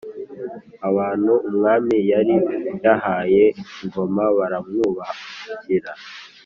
abantu umwami yari yahaye Ngoma baramwubakira.